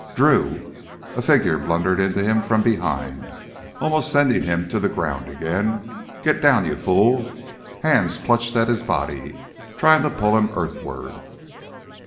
"Drew!" A figure blundered into him from behind, almost sending him to the ground again. "Get down, you fool!" Hands clutched at his body, trying to pull him earthward.